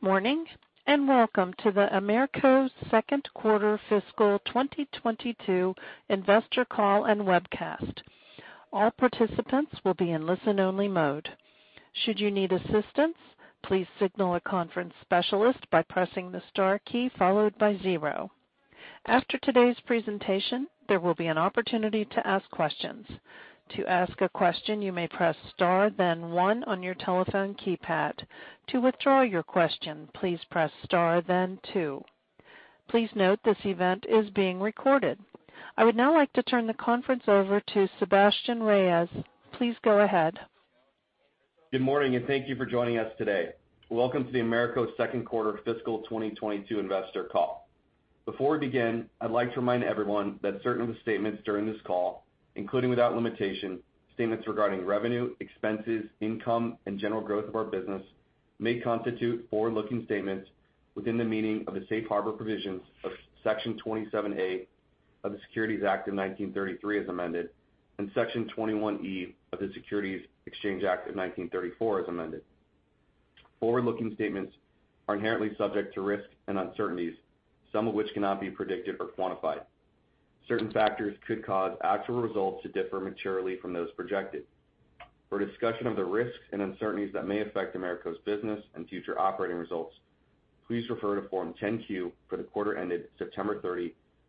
Good morning, and welcome to the AMERCO Second Quarter Fiscal 2022 Investor Call and Webcast. All participants will be in listen-only mode. Should you need assistance, please signal a conference specialist by pressing the star key followed by zero. After today's presentation, there will be an opportunity to ask questions. To ask a question, you may press star then one on your telephone keypad. To withdraw your question, please press star then two. Please note this event is being recorded. I would now like to turn the conference over to Sebastien Reyes. Please go ahead. Good morning, and thank you for joining us today. Welcome to the AMERCO Second Quarter Fiscal 2022 Investor Call. Before we begin, I'd like to remind everyone that certain of the statements during this call, including without limitation statements regarding revenue, expenses, income, and general growth of our business, may constitute forward-looking statements within the meaning of the safe harbor provisions of Section 27A of the Securities Act of 1933 as amended, and Section 21E of the Securities Exchange Act of 1934 as amended. Forward-looking statements are inherently subject to risks and uncertainties, some of which cannot be predicted or quantified. Certain factors could cause actual results to differ materially from those projected. For a discussion of the risks and uncertainties that may affect AMERCO's business and future operating results, please refer to Form 10-Q for the quarter ended September 30,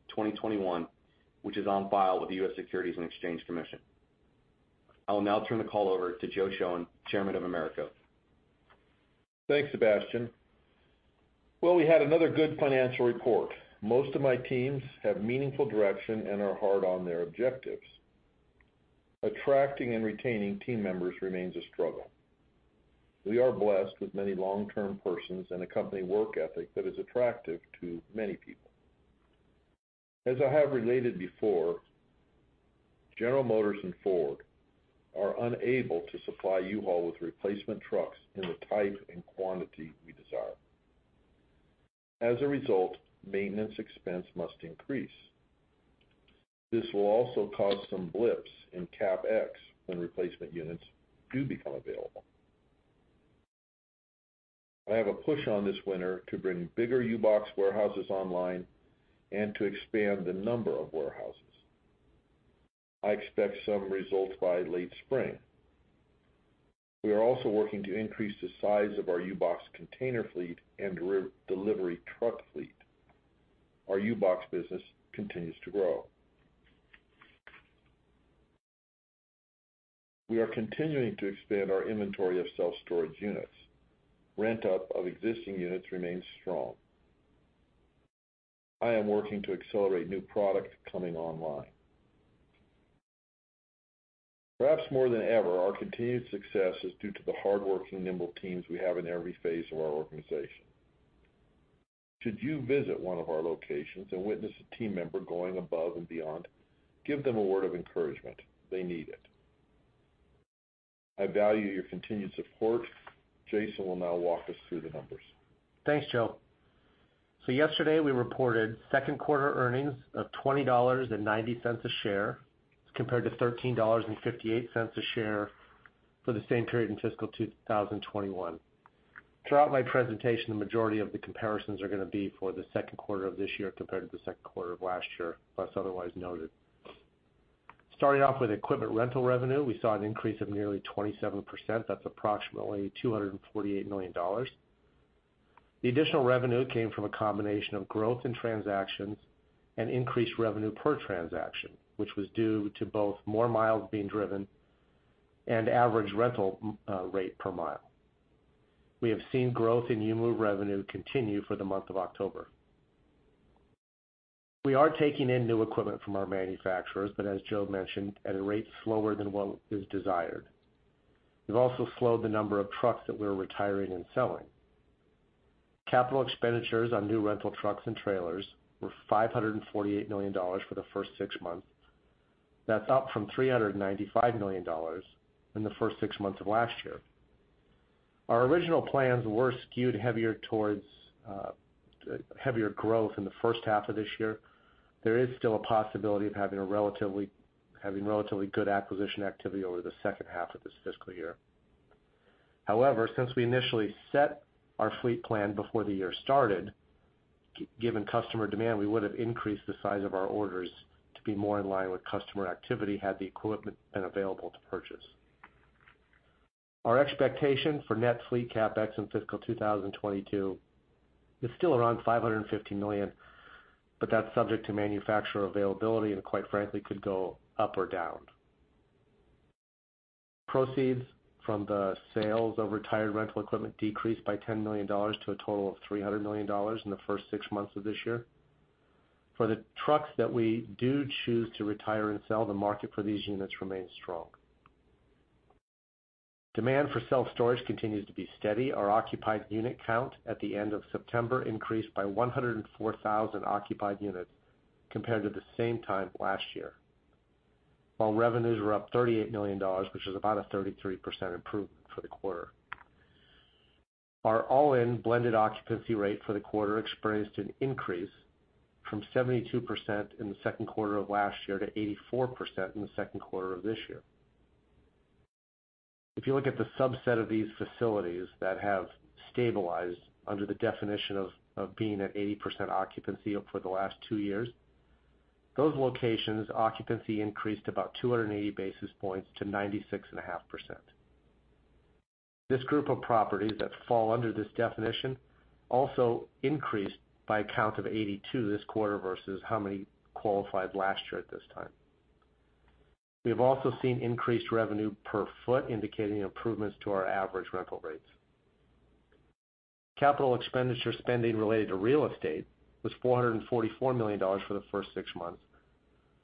2021, which is on file with the U.S. Securities and Exchange Commission. I will now turn the call over to Joe Shoen, Chairman of AMERCO. Thanks, Sebastien. Well, we had another good financial report. Most of my teams have meaningful direction and are hard on their objectives. Attracting and retaining team members remains a struggle. We are blessed with many long-term persons and a company work ethic that is attractive to many people. As I have related before, General Motors and Ford are unable to supply U-Haul with replacement trucks in the type and quantity we desire. As a result, maintenance expense must increase. This will also cause some blips in CapEx when replacement units do become available. I have a push on this winter to bring bigger U-Box warehouses online and to expand the number of warehouses. I expect some results by late spring. We are also working to increase the size of our U-Box container fleet and re-delivery truck fleet. Our U-Box business continues to grow. We are continuing to expand our inventory of self-storage units. Rent-up of existing units remains strong. I am working to accelerate new product coming online. Perhaps more than ever, our continued success is due to the hardworking, nimble teams we have in every phase of our organization. Should you visit one of our locations and witness a team member going above and beyond, give them a word of encouragement. They need it. I value your continued support. Jason will now walk us through the numbers. Thanks, Joe. Yesterday, we reported second quarter earnings of $20.90 a share as compared to $13.58 a share for the same period in fiscal 2021. Throughout my presentation, the majority of the comparisons are gonna be for the second quarter of this year compared to the second quarter of last year, unless otherwise noted. Starting off with equipment rental revenue, we saw an increase of nearly 27%. That's approximately $248 million. The additional revenue came from a combination of growth in transactions and increased revenue per transaction, which was due to both more miles being driven and average rental rate per mile. We have seen growth in U-Move revenue continue for the month of October. We are taking in new equipment from our manufacturers, but as Joe mentioned, at a rate slower than what is desired. We've also slowed the number of trucks that we're retiring and selling. Capital expenditures on new rental trucks and trailers were $548 million for the first six months. That's up from $395 million in the first six months of last year. Our original plans were skewed heavier towards heavier growth in the first half of this year. There is still a possibility of having relatively good acquisition activity over the second half of this fiscal year. However, since we initially set our fleet plan before the year started, given customer demand, we would have increased the size of our orders to be more in line with customer activity had the equipment been available to purchase. Our expectation for net fleet CapEx in fiscal 2022 is still around $550 million, but that's subject to manufacturer availability and quite frankly could go up or down. Proceeds from the sales of retired rental equipment decreased by $10 million to a total of $300 million in the first six months of this year. For the trucks that we do choose to retire and sell, the market for these units remains strong. Demand for self-storage continues to be steady. Our occupied unit count at the end of September increased by 104,000 occupied units compared to the same time last year, while revenues were up $38 million, which is about a 33% improvement for the quarter. Our all-in blended occupancy rate for the quarter experienced an increase from 72% in the second quarter of last year to 84% in the second quarter of this year. If you look at the subset of these facilities that have stabilized under the definition of being at 80% occupancy for the last two years, those locations occupancy increased about 280 basis points to 96.5%. This group of properties that fall under this definition also increased by a count of 82 this quarter versus how many qualified last year at this time. We have also seen increased revenue per foot, indicating improvements to our average rental rates. Capital expenditure spending related to real estate was $444 million for the first six months.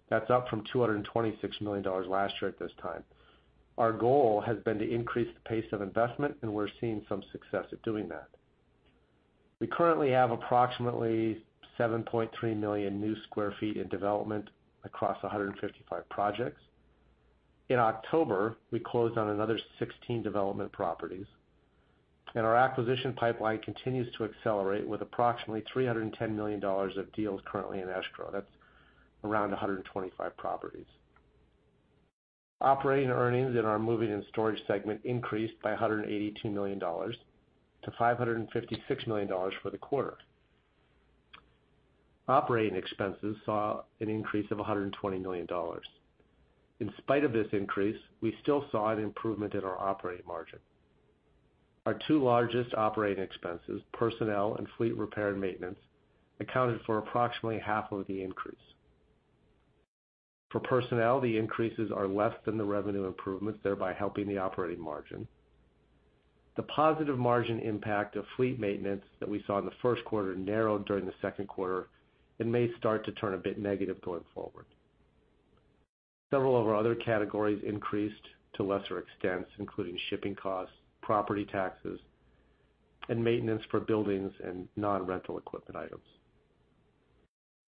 That's up from $226 million last year at this time. Our goal has been to increase the pace of investment, and we're seeing some success at doing that. We currently have approximately 7.3 million sq ft in development across 155 projects. In October, we closed on another 16 development properties, and our acquisition pipeline continues to accelerate with approximately $310 million of deals currently in escrow. That's around 125 properties. Operating earnings in our moving and storage segment increased by $182 million to $556 million for the quarter. Operating expenses saw an increase of $120 million. In spite of this increase, we still saw an improvement in our operating margin. Our two largest operating expenses, personnel and fleet repair and maintenance, accounted for approximately half of the increase. For personnel, the increases are less than the revenue improvements, thereby helping the operating margin. The positive margin impact of fleet maintenance that we saw in the first quarter narrowed during the second quarter and may start to turn a bit negative going forward. Several of our other categories increased to lesser extents, including shipping costs, property taxes, and maintenance for buildings and non-rental equipment items.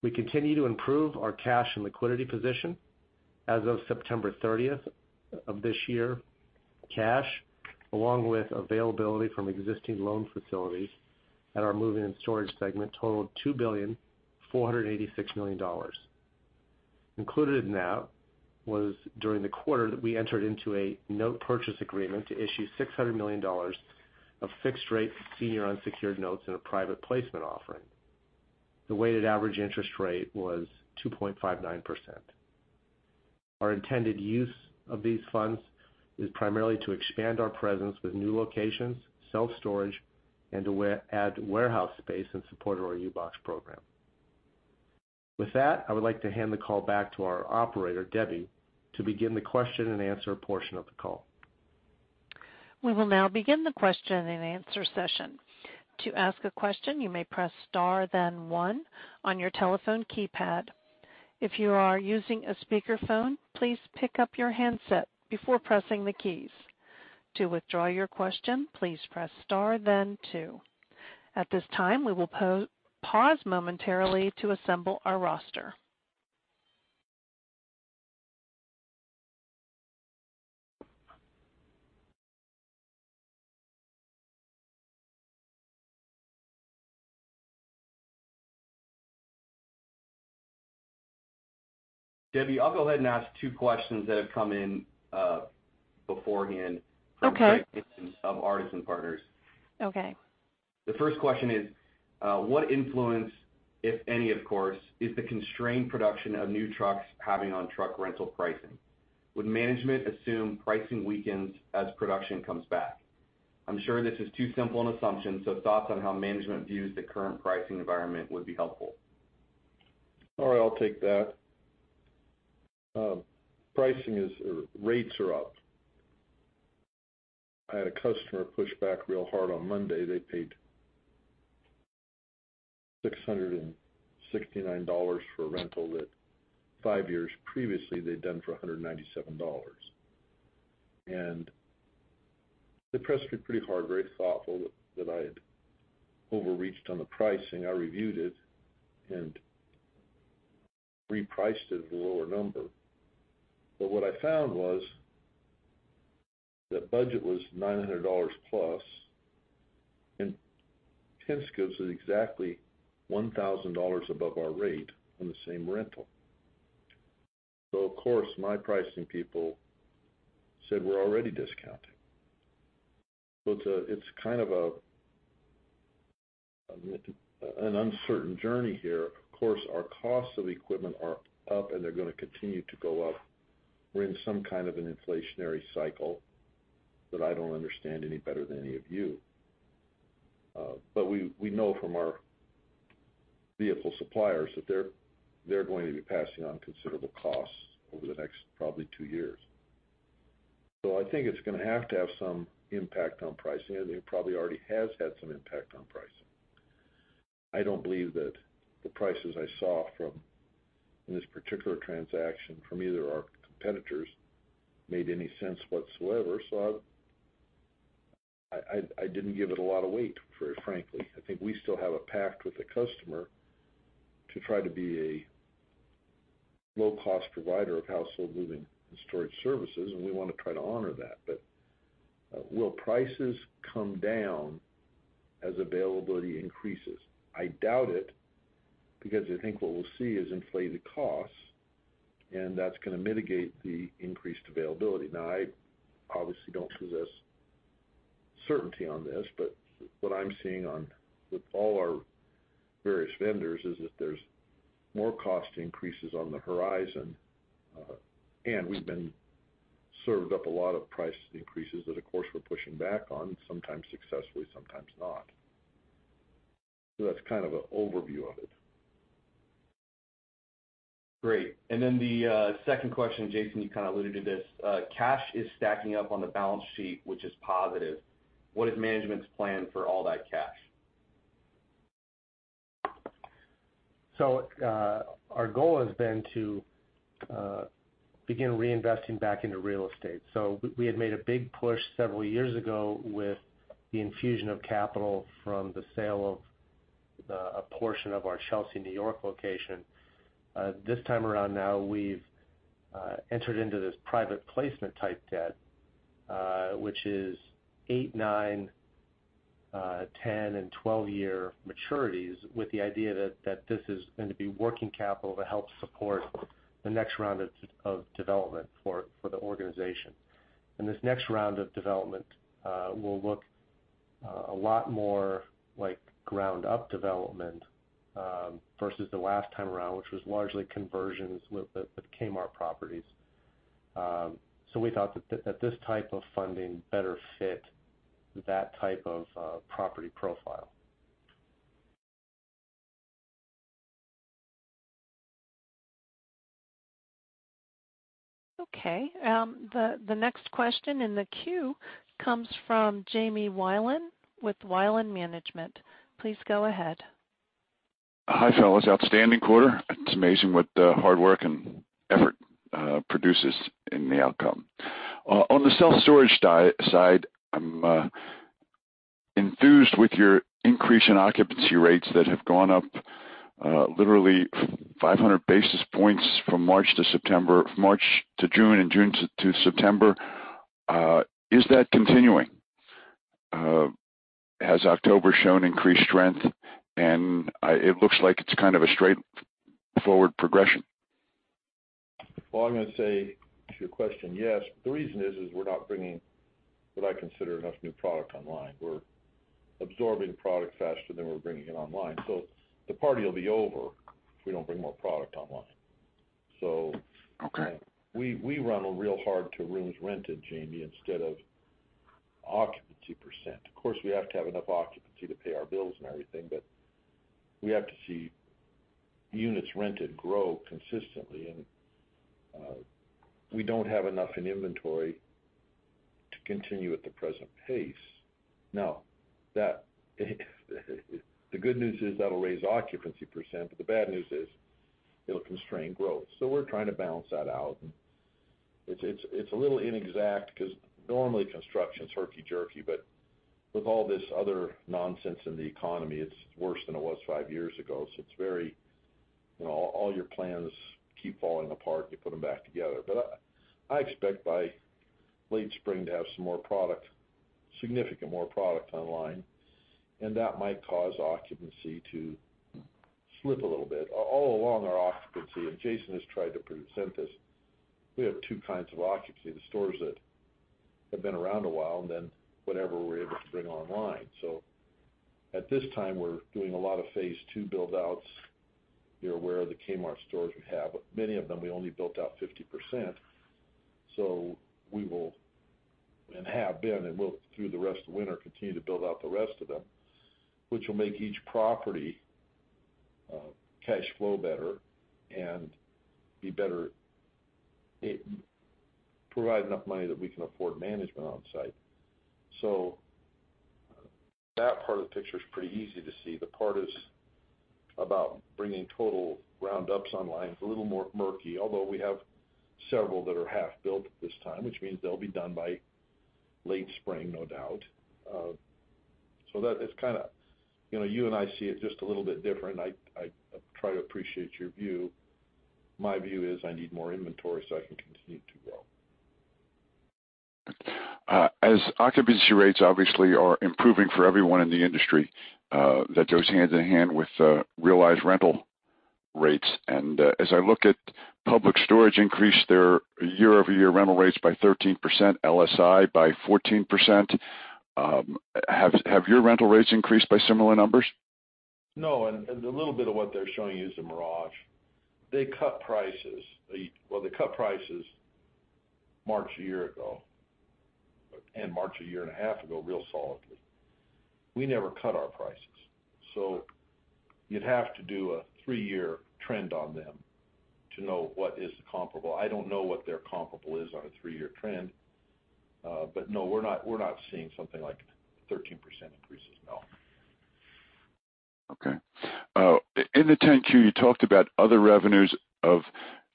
We continue to improve our cash and liquidity position. As of September 30th of this year, cash, along with availability from existing loan facilities at our moving and storage segment totaled $2.486 billion. Included in that was during the quarter that we entered into a note purchase agreement to issue $600 million of fixed rate senior unsecured notes in a private placement offering. The weighted average interest rate was 2.59%. Our intended use of these funds is primarily to expand our presence with new locations, self-storage, and to add warehouse space in support of our U-Box program. With that, I would like to hand the call back to our operator, Debbie, to begin the question-and-answer portion of the call. We will now begin the question-and-answer session. To ask a question, you may press star then one on your telephone keypad. If you are using a speakerphone, please pick up your handset before pressing the keys. To withdraw your question, please press star then two. At this time, we will pause momentarily to assemble our roster. Debbie, I'll go ahead and ask two questions that have come in beforehand. Okay. from Greg Nielsen of Artisan Partners. Okay. The first question is, what influence, if any, of course, is the constrained production of new trucks having on truck rental pricing? Would management assume pricing weakens as production comes back? I'm sure this is too simple an assumption, so thoughts on how management views the current pricing environment would be helpful. All right, I'll take that. Pricing is, or rates are up. I had a customer push back real hard on Monday. They paid $669 for a rental that five years previously they'd done for $197. They pressed me pretty hard, very thoughtful that I had overreached on the pricing. I reviewed it and repriced it at a lower number. What I found was that Budget was $900 plus, and Penske gives it exactly $1,000 above our rate on the same rental. Of course, my pricing people said we're already discounting. It's kind of an uncertain journey here. Of course, our costs of equipment are up, and they're gonna continue to go up. We're in some kind of an inflationary cycle that I don't understand any better than any of you. We know from our vehicle suppliers that they're going to be passing on considerable costs over the next probably two years. I think it's gonna have to have some impact on pricing, and it probably already has had some impact on pricing. I don't believe that the prices I saw from, in this particular transaction from either our competitors made any sense whatsoever. I didn't give it a lot of weight, very frankly. I think we still have a pact with the customer to try to be a low-cost provider of household moving and storage services, and we want to try to honor that. Will prices come down as availability increases? I doubt it, because I think what we'll see is inflated costs, and that's gonna mitigate the increased availability. Now, I obviously don't possess certainty on this, but what I'm seeing with all our various vendors is that there's more cost increases on the horizon. We've been served up a lot of price increases that, of course, we're pushing back on, sometimes successfully, sometimes not. That's kind of an overview of it. Great. The second question, Jason, you kind of alluded to this. Cash is stacking up on the balance sheet, which is positive. What is management's plan for all that cash? Our goal has been to begin reinvesting back into real estate. We had made a big push several years ago with the infusion of capital from the sale of a portion of our Chelsea, New York location. This time around now we've entered into this private placement type debt, which is eight, nine, 10 and 12 year maturities, with the idea that this is going to be working capital to help support the next round of development for the organization. This next round of development will look a lot more like ground up development versus the last time around, which was largely conversions with the Kmart properties. We thought that this type of funding better fit that type of property profile. Okay. The next question in the queue comes from Jamie Wilen with Wilen Management. Please go ahead. Hi, fellas. Outstanding quarter. It's amazing what the hard work and effort produces in the outcome. On the self-storage side, I'm enthused with your increase in occupancy rates that have gone up literally 500 basis points from March to September, March to June and June to September. Is that continuing? Has October shown increased strength? It looks like it's kind of a straightforward progression. Well, I'm gonna say to your question, yes, but the reason is, we're not bringing what I consider enough new product online. We're absorbing product faster than we're bringing it online. So the party will be over if we don't bring more product online. Okay. We run real hard to keep rooms rented, Jamie, instead of occupancy %. Of course, we have to have enough occupancy to pay our bills and everything, but we have to see units rented grow consistently and we don't have enough in inventory to continue at the present pace. Now that the good news is that'll raise occupancy %, but the bad news is it'll constrain growth. We're trying to balance that out. It's a little inexact 'cause normally construction's herky-jerky, but with all this other nonsense in the economy, it's worse than it was five years ago. It's very, you know, all your plans keep falling apart, you put them back together. I expect by late spring to have some more product, significant more product online, and that might cause occupancy to slip a little bit. All along our occupancy, and Jason has tried to present this, we have two kinds of occupancy, the stores that have been around a while and then whatever we're able to bring online. At this time, we're doing a lot of phase two build outs. You're aware of the Kmart stores we have. Many of them, we only built out 50%, so we will and have been and will through the rest of winter, continue to build out the rest of them, which will make each property cash flow better and be better provide enough money that we can afford management on site. That part of the picture is pretty easy to see. The part is about bringing total roundups online is a little more murky, although we have several that are half built at this time, which means they'll be done by late spring, no doubt. That is kind of you know, you and I see it just a little bit different. I try to appreciate your view. My view is I need more inventory, so I can continue to grow. As occupancy rates obviously are improving for everyone in the industry, that goes hand in hand with realized rental rates. As I look at Public Storage increase their year-over-year rental rates by 13%, LSI by 14%, have your rental rates increased by similar numbers? No. The little bit of what they're showing you is a mirage. They cut prices. They cut prices March a year ago, and March a year and a half ago real solidly. We never cut our prices, so you'd have to do a three-year trend on them to know what is the comparable. I don't know what their comparable is on a three-year trend. No, we're not seeing something like 13% increases. No. Okay. In the 10-Q, you talked about other revenues of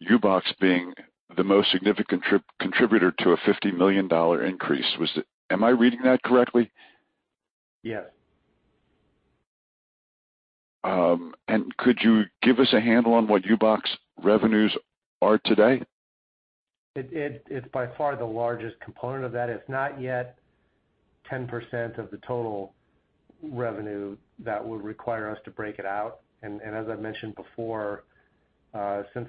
U-Box being the most significant contributor to a $50 million increase. Am I reading that correctly? Yes. Could you give us a handle on what U-Box revenues are today? It's by far the largest component of that. It's not yet 10% of the total revenue that would require us to break it out. As I mentioned before, since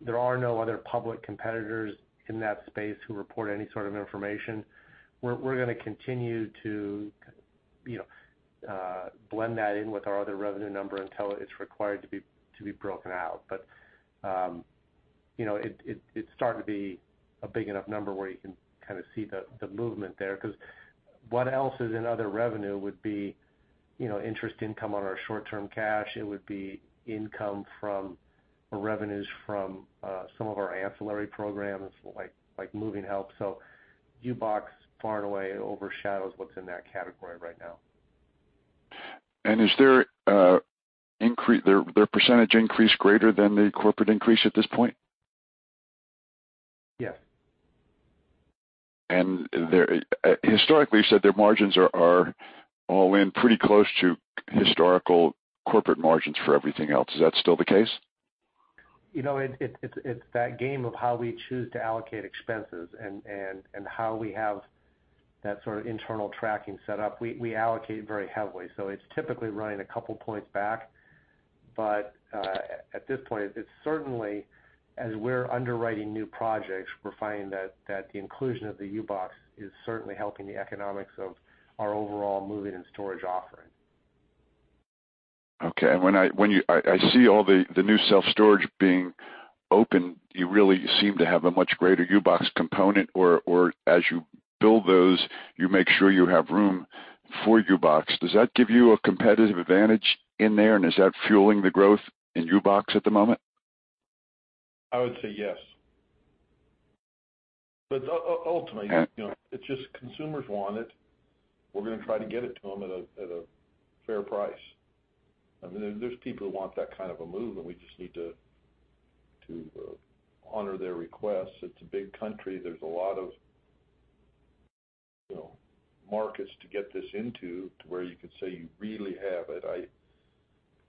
there are no other public competitors in that space who report any sort of information, we're gonna continue to, you know, blend that in with our other revenue number until it's required to be broken out. You know, it's starting to be a big enough number where you can kind of see the movement there. 'Cause what else is in other revenue would be, you know, interest income on our short-term cash, it would be revenues from some of our ancillary programs like Moving Help. U-Box far and away overshadows what's in that category right now. Is there an increase, their percentage increase greater than the corporate increase at this point? Yes. Their historically, you said their margins are all in pretty close to historical corporate margins for everything else. Is that still the case? You know, it's that game of how we choose to allocate expenses and how we have that sort of internal tracking set up. We allocate very heavily, so it's typically running a couple points back. But at this point, it's certainly, as we're underwriting new projects, we're finding that the inclusion of the U-Box is certainly helping the economics of our overall moving and storage offering. Okay. I see all the new self-storage being open, you really seem to have a much greater U-Box component. Or as you build those, you make sure you have room for U-Box. Does that give you a competitive advantage in there, and is that fueling the growth in U-Box at the moment? I would say yes. Ultimately, you know, it's just consumers want it, we're gonna try to get it to them at a fair price. I mean, there's people who want that kind of a move, and we just need to honor their requests. It's a big country. There's a lot of, you know, markets to get this into to where you could say you really have it.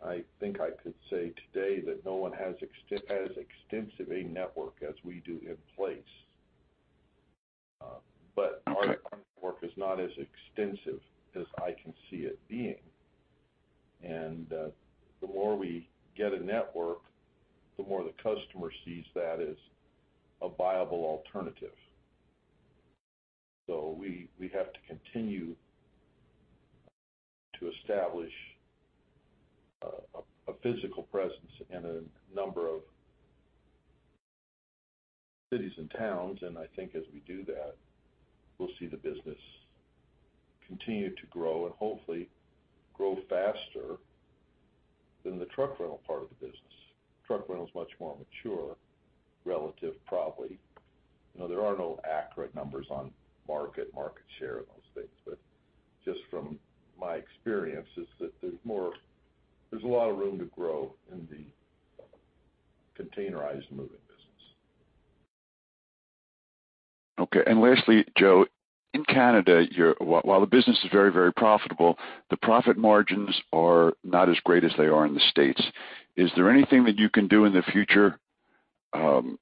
I think I could say today that no one has as extensive a network as we do in place. Our network is not as extensive as I can see it being. The more we get a network, the more the customer sees that as a viable alternative. We have to continue to establish a physical presence in a number of cities and towns. I think as we do that, we'll see the business continue to grow and hopefully grow faster than the truck rental part of the business. Truck rental is much more mature relatively, probably. You know, there are no accurate numbers on market share and those things. Just from my experience is that there's a lot of room to grow in the containerized moving business. Okay. Lastly, Joe, in Canada, while the business is very, very profitable, the profit margins are not as great as they are in the States. Is there anything that you can do in the future? You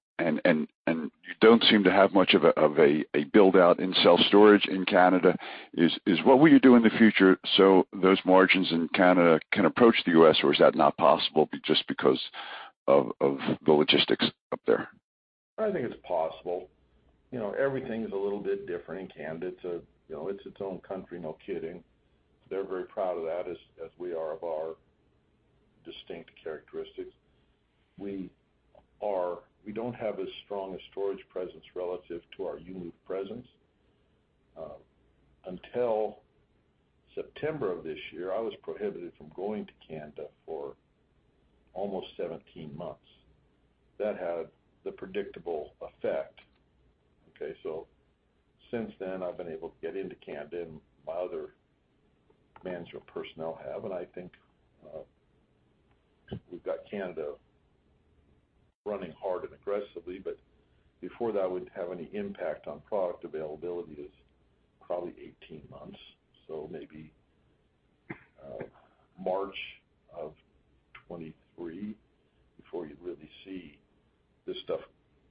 don't seem to have much of a build-out in self-storage in Canada. What will you do in the future so those margins in Canada can approach the U.S. or is that not possible just because of the logistics up there? I think it's possible. You know, everything is a little bit different in Canada. It's a, you know, it's its own country, no kidding. They're very proud of that as we are of our distinct characteristics. We don't have as strong a storage presence relative to our U-Move presence. Until September of this year, I was prohibited from going to Canada for almost 17 months. That had the predictable effect, okay? Since then, I've been able to get into Canada, and my other managerial personnel have, and I think, we've got Canada running hard and aggressively. Before that would have any impact on product availability is probably 18 months, so maybe, March 2023 before you'd really see this stuff,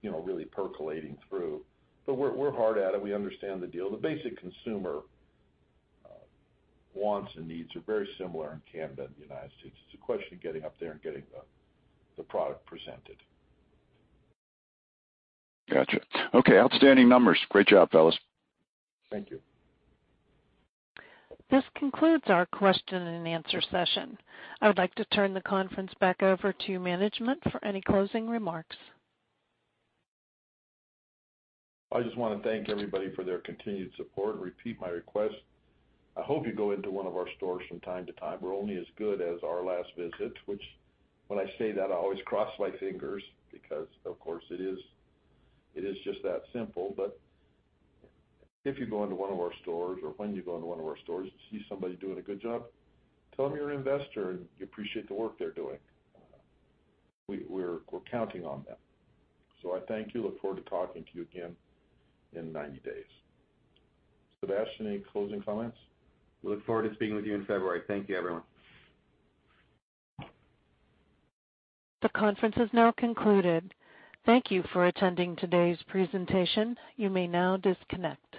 you know, really percolating through. We're hard at it. We understand the deal. The basic consumer wants and needs are very similar in Canada and the United States. It's a question of getting up there and getting the product presented. Gotcha. Okay. Outstanding numbers. Great job, fellas. Thank you. This concludes our question and answer session. I would like to turn the conference back over to management for any closing remarks. I just wanna thank everybody for their continued support and repeat my request. I hope you go into one of our stores from time to time. We're only as good as our last visit, which when I say that, I always cross my fingers because, of course, it is just that simple. If you go into one of our stores or when you go into one of our stores and see somebody doing a good job, tell them you're an investor and you appreciate the work they're doing. We're counting on them. I thank you. Look forward to talking to you again in 90 days. Sebastien, any closing comments? We look forward to speaking with you in February. Thank you, everyone. The conference is now concluded. Thank you for attending today's presentation. You may now disconnect.